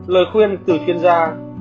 lời khuyên từ chuyên gia